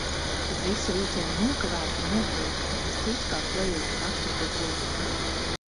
Kad visi vilcieni nokavēti, neatliek nekas cits kā klejot pa naksnīgo pludmali.